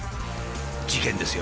事件ですよ。